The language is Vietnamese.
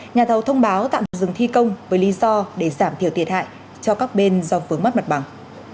nhà thầu thông báo tạm dừng thi công với lý do để giảm thiểu thiệt hại cho các bên do vướng mắt mặt bằng